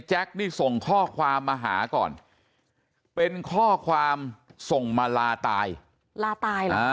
นี่ส่งข้อความมาหาก่อนเป็นข้อความส่งมาลาตายลาตายเหรอ